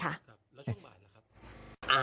ครับแล้วช่วงบ่ายล่ะครับ